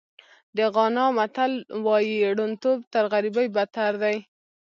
د غانا متل وایي ړوندتوب تر غریبۍ بدتر دی.